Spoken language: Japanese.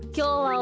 お？